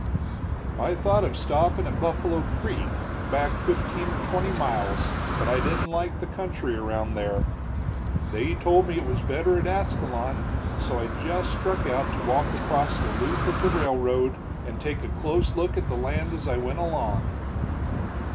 "I thought of stopping at Buffalo Creek, back fifteen or twenty miles, but I didn't like the country around there. They told me it was better at Ascalon, so I just struck out to walk across the loop of the railroad and take a close look at the land as I went along."